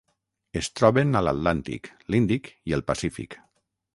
Es troben a l'Atlàntic, l'Índic i el Pacífic.